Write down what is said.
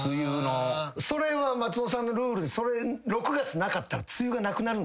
それは松本さんのルール６月なかったら梅雨がなくなる？